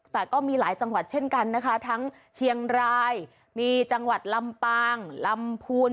แต่ก็มีหลายจังหวัดเช่นกันนะคะทั้งเชียงรายมีจังหวัดลำปางลำพูน